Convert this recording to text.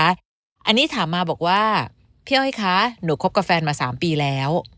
อันนี้ถามมาบอกว่าพี่อ้อยคะหนูคบกับแฟนมา๓ปีแล้ว